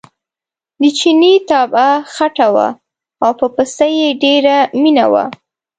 د چیني طبعه خټه وه او په پسه یې ډېره مینه وه.